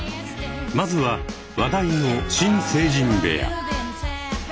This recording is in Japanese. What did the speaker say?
まずは話題の新成人部屋。